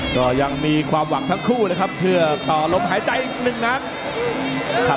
ก็ยังมีความหวังทั้งคู่นะครับเพื่อต่อลมหายใจอีกหนึ่งนัดครับ